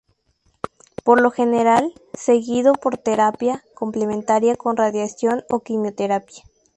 Por lo general, seguido por terapia complementaria con radiación o quimioterapia.